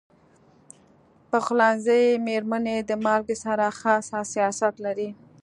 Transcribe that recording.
د پخلنځي میرمنې د مالګې سره خاص حساسیت لري.